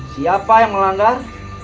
siapa yang melanggar